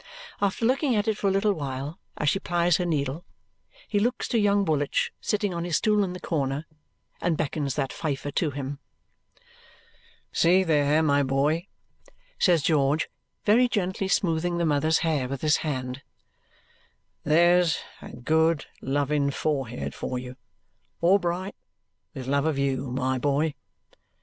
After looking at it for a little while as she plies her needle, he looks to young Woolwich, sitting on his stool in the corner, and beckons that fifer to him. "See there, my boy," says George, very gently smoothing the mother's hair with his hand, "there's a good loving forehead for you! All bright with love of you, my boy.